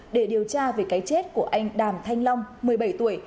để điều tra về cái chết của anh đàm thanh long một mươi bảy tuổi